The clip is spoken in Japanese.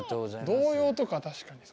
童謡とか確かに。